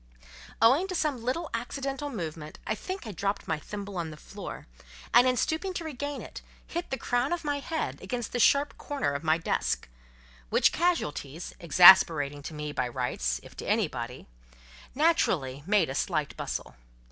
Owing to some little accidental movement—I think I dropped my thimble on the floor, and in stooping to regain it, hit the crown of my head against the sharp corner of my desk; which casualties (exasperating to me, by rights, if to anybody) naturally made a slight bustle—M.